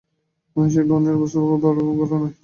মহিষীর মনের অবস্থা বড়ো ভালো নয়।